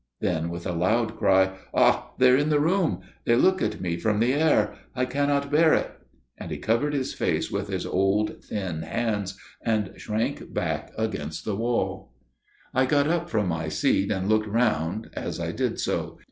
Then, with a loud cry, "Ah! they are in the room! They look at me from the air! I cannot bear it." And he covered his face with his old thin hands, and shrank back against the wall. I got up from my seat, and looked round as I did so.